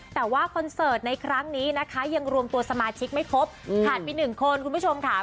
แต่ว่าคอนเสิร์ตในครั้งนี้นะคะยังรวมตัวสมาชิกไม่ครบขาดไป๑คนคุณผู้ชมค่ะ